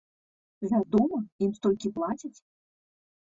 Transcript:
Вядома, ім столькі плацяць!